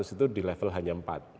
dua delapan ratus itu di level hanya empat